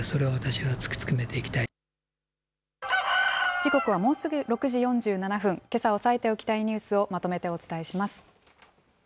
時刻はもうすぐ６時４７分、けさ押さえておきたいニュースをまとめてお伝えします。